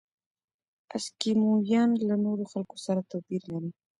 اسکیمویان له نورو خلکو سره توپیر لري.